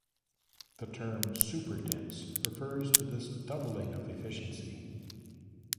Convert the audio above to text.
The term "superdense" refers to this doubling of efficiency.